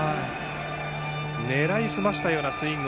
狙いすましたようなスイング。